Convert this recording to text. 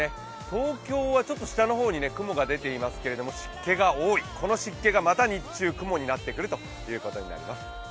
東京は下の方に雲が出ていますが湿気が多い、この湿気がまた日中、雲になってくるということです。